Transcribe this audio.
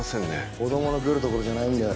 子供の来る所じゃないんだよ。